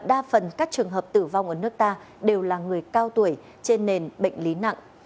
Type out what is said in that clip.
đa phần các trường hợp tử vong ở nước ta đều là người cao tuổi trên nền bệnh lý nặng